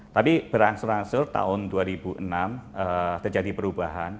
tapi berangsur angsur tahun dua ribu enam terjadi perubahan